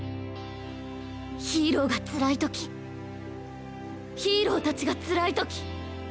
ヒーローがつらい時ヒーロー達がつらい時